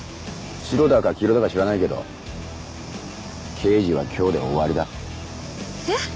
白だか黄色だか知らないけど刑事は今日で終わりだ。えっ！？